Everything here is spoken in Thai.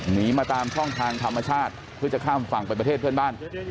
หนีมาตามช่องทางธรรมชาติเพื่อจะข้ามฝั่งไปประเทศเพื่อนบ้าน